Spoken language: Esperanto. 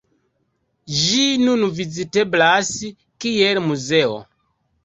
Ĝi nun viziteblas kiel muzeo.